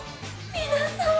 皆さん。